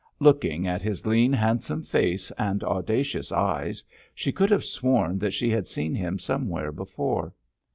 Looking at his lean, handsome face and audacious eyes she could have sworn that she had seen him somewhere before.